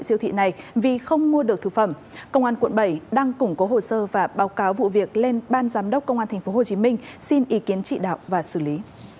công an quận bảy đang củng cố hồ sơ và báo cáo vụ việc lên ban giám đốc tp hcm xin ý kiến trị đạo và xử lý